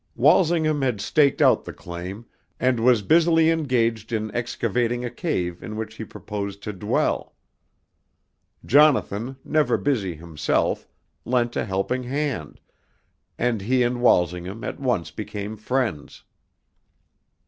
Walsingham had staked out the claim, and was busily engaged in excavating a cave in which he purposed to dwell. Jonathan, never busy himself, lent a helping hand, and he and Walsingham at once became friends.